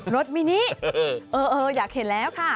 รถมินิอยากเห็นแล้วค่ะ